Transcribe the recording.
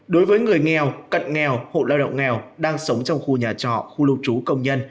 đối với người nghèo cận nghèo hộ lao động nghèo đang sống trong khu nhà trọ khu lưu trú công nhân